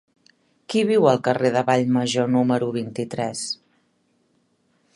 Qui viu al carrer de Vallmajor número vint-i-tres?